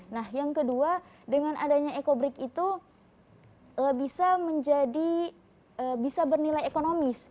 nah yang kedua dengan adanya ecobrik itu bisa menjadi bisa bernilai ekonomis